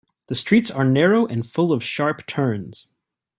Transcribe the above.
The streets are narrow and full of sharp turns.